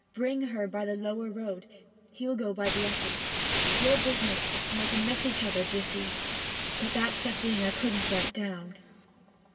Bring her by the lower road he'll go by the upper. Your business is to make 'em miss each other d'ye see? but that's a thing I couldn't write down.'